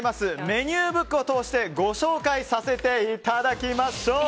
メニューブックを通してご紹介させていただきましょう。